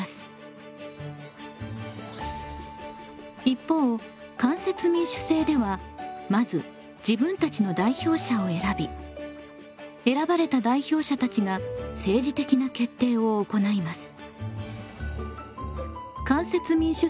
一方間接民主制ではまず自分たちの代表者を選び選ばれた代表者たちが政治的な決定を行います。